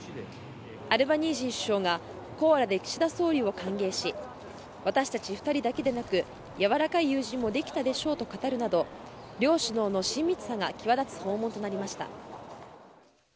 アルバニージー首相がコアラで岸田総理を歓迎し私たち２人だけでなく柔らかい友人もできたでしょうと語るなど両首脳の親密さが際立つ訪問となりました。